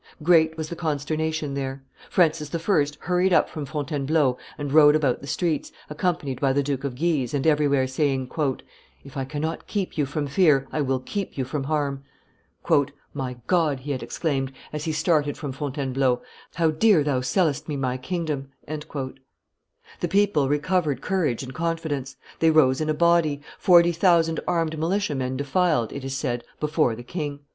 Great was the consternation there; Francis I. hurried up from Fontainebleau and rode about the streets, accompanied by the Duke of Guise, and everywhere saying, "If I cannot keep you from fear, I will keep you from harm." "My God," he had exclaimed, as he started from Fontainebleau, "how dear Thou sellest me my kingdom!" The people recovered courage and confidence; they rose in a body; forty thousand armed militiamen defiled, it is said, before the king.